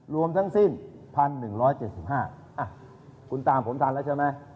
รวมทั้งสิ้นพันหนึ่งร้อยเจ็ดสิบห้าคุณตามผมทันแล้วใช่ไหม